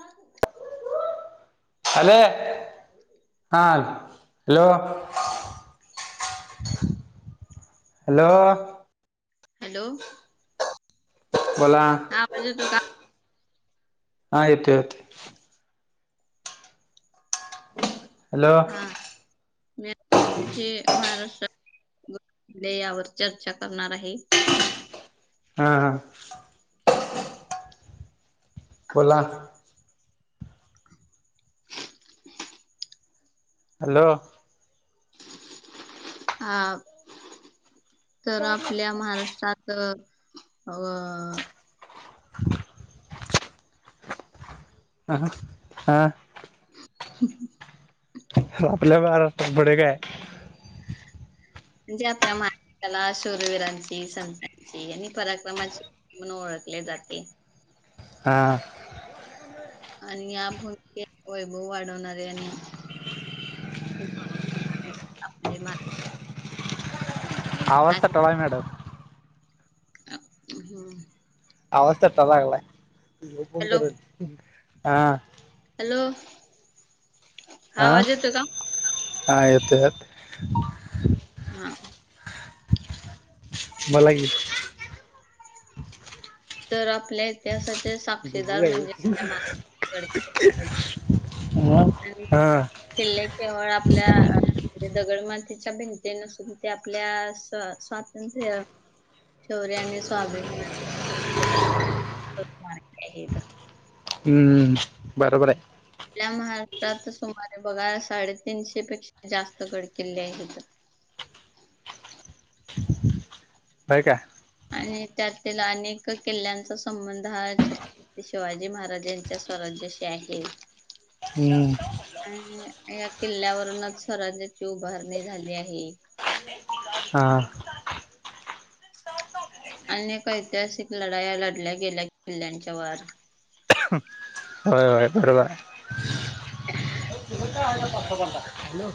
हो [unintelligible] हॅल हा hello [unintelligible] [inaudible] hello hello बोला आपल्या दोघा हा येतोय येतोय हॅलो हा मी आत हे महाराष्ट्र जे यावर चर्चा करणार आहे. हा हा बोला ना हॅलो हा तर आपल्या महाराष्ट्रात तर अं [inaudible] हॅलो हा [unintelligible] आपल्या महाराष्ट्रात पुढे काय? म्हणजे आपल्या महाराष्टाला शुरवीरांची, संतांची आणि पराक्रमाची म्हणून ओळखल्या जाते. हां आणि आपुण ते वैभव वाढवणारे आणि [unintelligible] आवज थटलाय मॅडम हं हम्म आवाज थटाय लागलाय. हॅलो हॅलो हा आं आवाज येतो का हा येतोय येतोय हा बोला की तर आपल्या इतिहासाचे साक्षीदार म्हणजे आपल्या महाराष्ट्राचे गडकिल्ले आहेत. हा आणि हा किल्ले केवळ आपल्या दगडमातीच्या भिंती नसून ते आपल्या स स्वातंत्र्य शौर्य आणि स्वाभिमान [unintelligible] हम्म बरोबर आहे. आपल्या महाराष्ट्रात सुमारे बघा साडेतीनशे पेक्षा जास्त गडकिल्ले आहेत. होय काय? आणि त्यातील अनेक किल्ल्यांचा संबंध हा छत शिवाजी महाराज्यांच्या स्वराज्याशी आहे. हम्म अं या किल्ल्यावरंनच स्वराज्याची उभारणी झाली आहे. हा अनेक ऐतिहासिक लढाया लढल्या गेल्या किल्ल्यांच्या वर होय होय बरोबर हाय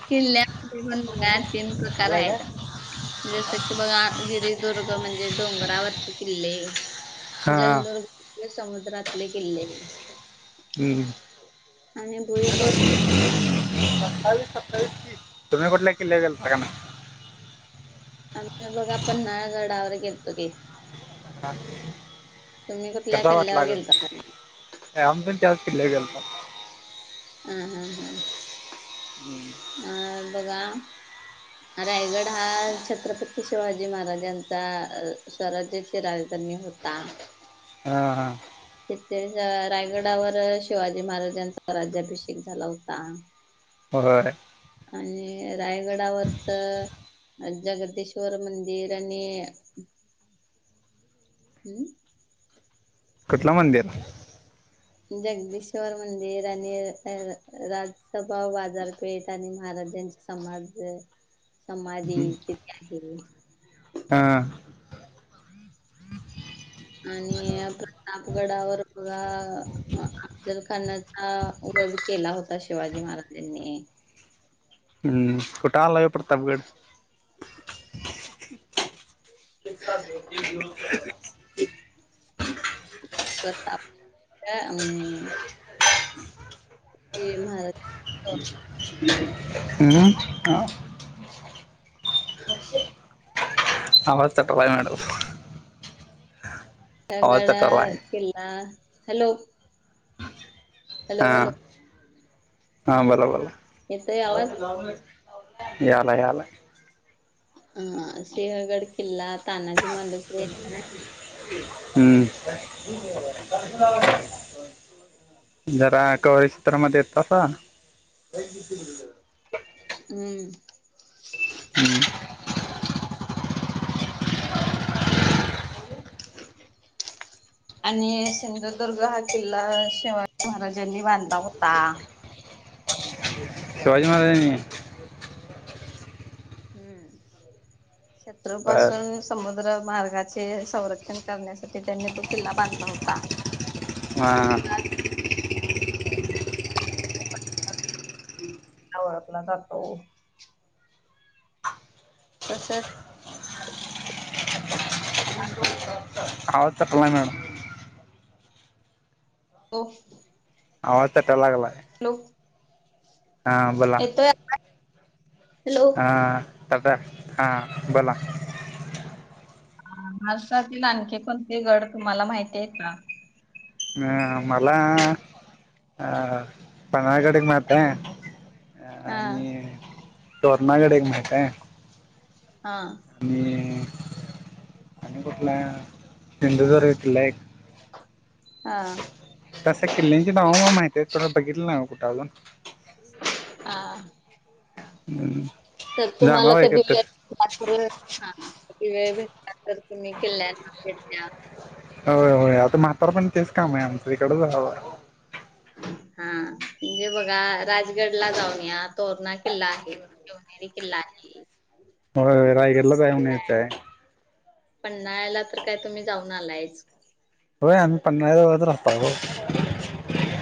किल्ल्यामध्ये पण बघा तीन प्रकार आलाय का आहेत. जसं की बघा गिरी दुर्ग म्हणजे डोंगरावरचे किल्ले हा जलदुर्ग समुद्रातले किल्ले हम्म आणि भुईकोट तुम्ही कुठल्या, किल्लावर गेलता काय नाही. आम्ही बघा, पन्हाळगडावर गेलतो की का तुम्ही कुठल्या किल्ल्यावर गेलता काय आम्हीपण त्याचं किल्ल्यावर गेलतो हम हा हम अ बघा. रायगड हा छत्रपती शिवाजी महाराजांचा स्वराज्य ची राजधानी होता. हम हा ते रायगडावर शिवाजी, महाराजांचा राज्याभिषेक झाला होता. ह. होय. आणि रायगडावरच जगदेश्वर मंदिर आणि हम्म कु ठ जगदीश्वर मंदिर आणि राजसभा बाजारपेठ आणि महाराजांची समाज समाधी तिथे आहे. हा आणि प्रतापगडावर बघा अफजलखानाचा वध केला होता शिवाजी महाराजांनी हम्म. कुठं आला ह्यो प्रतापगड ह प्रताप. हे महाराज हम् ह का [inaudible] ह आवाज तट बाय मॅडव आवाज गळा तटलाय किल्ला हॅलो. हॅलो हा हॅलो हा बोला येतोय आवाज बोला. याला याला हा सिंहगड किल्ला तानाजी मालू हम्म जरा कवरेज क्षेत्रा मध्ये येता का. हम्म हम्म [inaudible] आणि सिंधुदुर्ग हा किल्ला शिवाजी महाराजांनी बांधला होता शिवाजी महाराजानी हम्म बर शत्रूपासून समुद्र मार्गाचे संरक्षण करण्यासाठी त्यांनी तो किल्ला बांधला होता हो हां [inaudible] ळखला जख [inaudible] तसंच. [unintelligible] मॅडम ओ! आवाज [unintelligible] लागलाय. हॅलो हां बोला येतोये हॅलो. हां टाटा हां बोला. राष्ट्रातील आणखी कोणते गड तुम्हाला माहितीहे कां? हं मला आ पन्हाळगड एक माहिती आहे. अ हा आणि तोरणागड एक माहीत आहे. हां! मी आणि कुठला सिंधुदुर्ग इथला एक. हा! तसं किल्ल्यांची नाव मला माहितये सगळं बघितलं नाय वो कुठं अजून. हा तर तुम्हाला जाणार आहे कधी एकत्र [unintelligible] [inaudible] ातर हा किती वेळ भेटला तर तुम्ही किल्ल्यांना भेट दया होय होय आता म्हातार पण तेच काम आहे आमचं इकडच ह राहवाक [inaudible] हा म्हणजे बघा राजगड ला जाऊन या तोरणा किल्ला आहे. शीवनेरी किल्ला आहे. व्हयं रायगडला जाऊन येता आहे पन्हाळा ला तर काय तुम्ही जाऊन आलायच. होय आम्ही पन्हाळ्यालाच राहता ओ.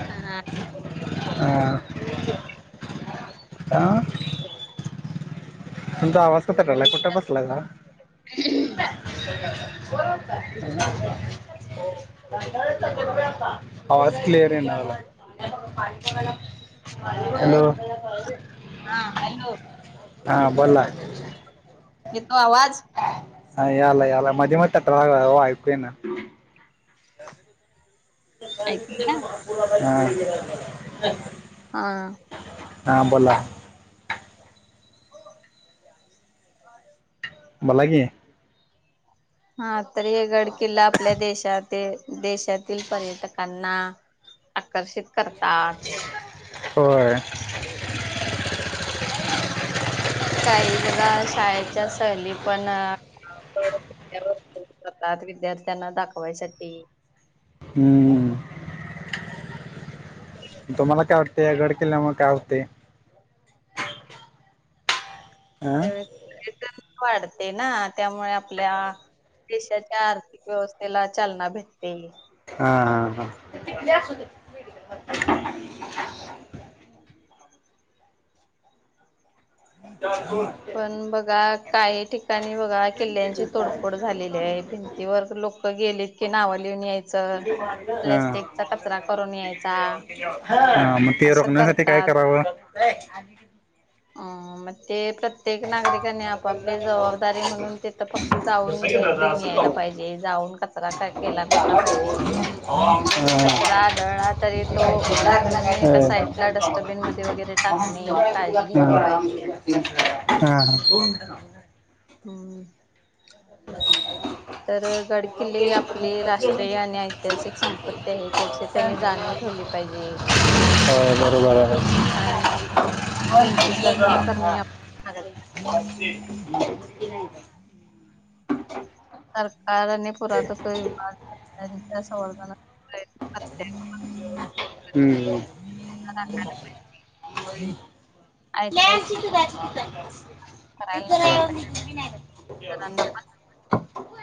हा हा! हा आ! तुमचा आवाज [unintelligible] कुठ बसला सा. [inaudible] आवाज क्लिअर [inaudible] लागला हॅलो! हा हॅलो! हां बोला. येतो आवाज? हाय आलाय, आलाय मध्ये, मध्ये, [unintelligible] लागलाय यांकु येना. ऐकली ना आं. हा! हा बोला? बोला की. हा तर हे गड किल्ला आपल्या देशात ते देशातील पर्यटकांना, आकर्षित करतात. होय! काही बघा शाळेच्या सहली पण [inaudible] करतात विद्यार्थ्यांना दाखवायसाठी. हूं! तुम्हाला काय वाटतय या गड किल्ल्या मुळ काय होतय. अ [inaudible] वाढतय ना त्यामुळे आपल्या देशाच्याआर्थिक व्यवस्थेला चालना, भेटते. हा, हा, हा, [inaudible] ू पण बघा, काही ठिकाणी बघा, किल्ल्यांची तोडफोड झालेली आहे, भिंतीवर लोक लक गेलीत की नावं लिहून यायचं, हा हा प्लॅस्टिकचा कचरा करून यायचा. हा, मग ते असं रोखण्यासाठी काय करतात. करावं? आ म ते प्रत्येक नागरिकाने आपापली जबाबदारी म्हणून, तिथ फक्त जाऊन भेट देऊन यायला पाहिजे, जाऊन कचरा केला नसला पाहिजे, जरी कचरा हा आढळला तरी तो उचलुण एका साईडला डस्टबीन मध्ये वगैरे टाकणे, ही काळजी घेतली पाहिजे. हा, हम्म, [inaudible] [inaudible] तर गड किल्ले ही आपली राष्ट्रीय आणि ऐतिहासिक संपत्ती आहे त्याची त्यांनी जाणीव ठेवली पाहिजे होय, बरोबर हाय. आणि त्यांचे जतन करणे आपल्या भागात [inaudible] [inaudible] सरकार, आणि पुरातत्व विभाग यांच्या, संवर्धना प्रयत्न करते हम्म, [inaudible] [inaudible] [inaudible] [inaudible] [inaudible] ऐतिहासिक वस्तू करायला नसाय पाहिजे जणांना पण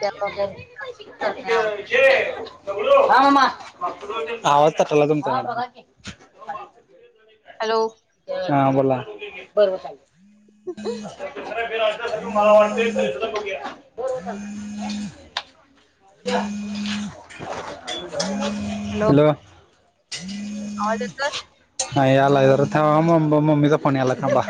त्या बाबतीत जागरूक करणे आवश्यक तटायला लागलाय. हॅलो? हा बोला, बर [unintelligible] हॅलो? आवाज येतोय? हं यालाय, जरा थांबा, म मम्मीचा फोन यालाय, थांबा.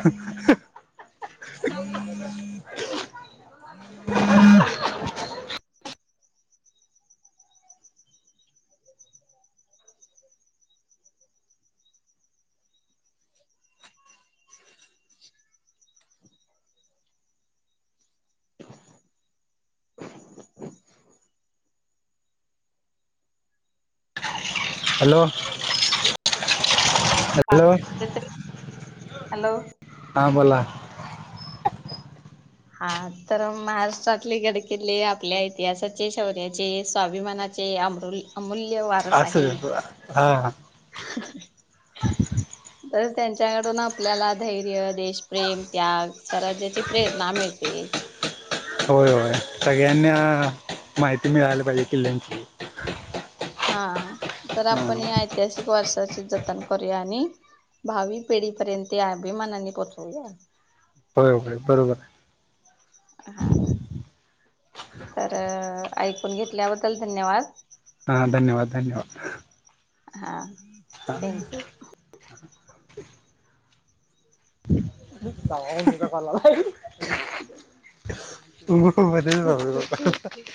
[inaudible] [inaudible] हॅलो! हा, हॅलो, येतोय. हॅलो हां बोला. हा, तर महाराष्ट्रातले गडकिल्ले, आपल्या इतिहासाचे, शौर्याचे, स्वाभिमानाचे. चे अमरु अमूल्यवाद असल, हा [unintelligible] तर त्यांच्याकडून आपल्याला, धैर्य, देशप्रेम, त्याग, स्वराज्याची प्रेरणा मिळते. होय, होय, सगळ्यांना माहिती मिळायला पाहिजे किल्ल्यांची हा, तर हा. आपण या ऐतिहासिक वरसाची जतन करूया, आणि भावी, पिढीपर्यंत या अभिमानानी पोहोचवूया. होय, होय बरोबर आहे. हा, तर ऐकून घेतल्याबद्दल, धन्यवाद! हा धन्यवाद! धन्यवाद! हा, थँक यू! [unintelligible] [unintelligible]